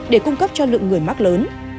để cung cấp cho lượng người mắc lớn